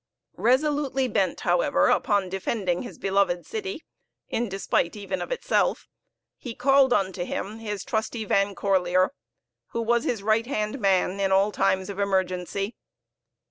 Resolutely bent, however, upon defending his beloved city, in despite even of itself, he called unto him his trusty Van Corlear, who was his right hand man in all times of emergency.